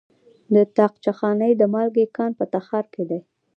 د طاقچه خانې د مالګې کان په تخار کې دی.